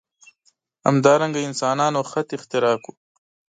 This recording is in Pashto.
همدارنګه انسانانو خط اختراع کړ.